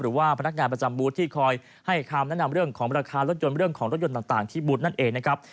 หรือว่าพนักงานประจำบูธที่คอยให้คำแนะนำเรื่องของราคารถยนต์เรื่องของรถยนต์ต่างที่บูธนั่นเองนะครับ